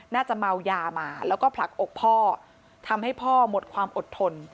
น่าจะเมายามาแล้วก็ผลักอกพ่อทำให้พ่อหมดความอดทน